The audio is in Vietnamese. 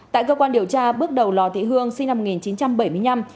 tại cơ quan điều tra bước đầu lò thị hương sinh năm một nghìn chín trăm bảy mươi năm